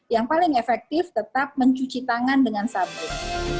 yang paling efektif tetap mencuci tangan dengan sabun